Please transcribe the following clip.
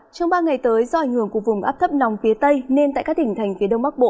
trong ba ngày tới do ảnh hưởng của vùng áp thấp nòng phía tây nên tại các tỉnh thành phía đông bắc bộ